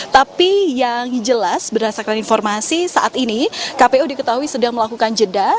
tapi yang jelas berdasarkan informasi saat ini kpu diketahui sedang melakukan jeda